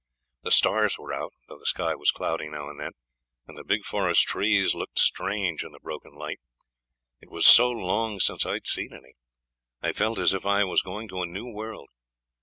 The stars were out, though the sky was cloudy now and then, and the big forest trees looked strange in the broken light. It was so long since I'd seen any. I felt as if I was going to a new world.